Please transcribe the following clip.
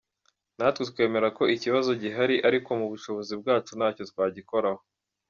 Natwe twemera ko ikibazo gihari ariko mu bushobozi bwacu ntacyo twagikoraho.